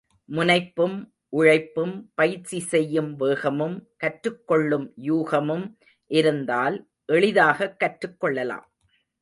முனைப்பும், உழைப்பும், பயிற்சி செய்யும் வேகமும், கற்றுக் கொள்ளும் யூகமும் இருந்தால், எளிதாகக் கற்றுக் கொள்ளலாம்.